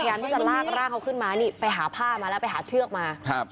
พยายามที่จะลากร่างเขาขึ้นมานี่ไปหาผ้ามาแล้วไปหาเชือกมาครับ